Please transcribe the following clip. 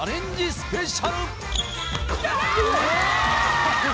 スペシャルわっ！